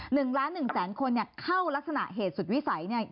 หนึ่งล้านหนึ่งแสนคนเนี่ยเข้ารักษณะเหตุสุดวิสัยเนี่ย